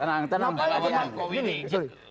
tenang tenang pak jokowi nih